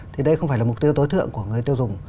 thì đây không phải là mục tiêu tối thượng của người tiêu dùng